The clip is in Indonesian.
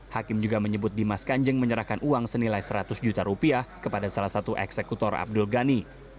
hakim juga menyebut dimas kanjeng menyerahkan uang senilai seratus juta rupiah kepada salah satu eksekutor abdul ghani